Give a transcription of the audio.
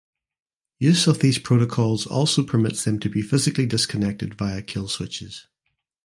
Use of these protocols also permits them to be physically disconnected via kill switches.